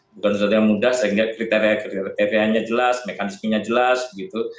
bukan sesuatu yang mudah sehingga kriteria kriterianya jelas mekanismenya jelas begitu